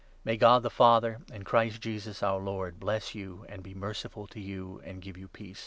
May God, the Father, and Christ Jesus, our Lord, bless you, and be merciful to you, and give you peace.